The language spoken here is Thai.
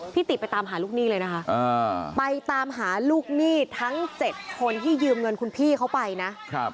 ติไปตามหาลูกหนี้เลยนะคะไปตามหาลูกหนี้ทั้ง๗คนที่ยืมเงินคุณพี่เขาไปนะ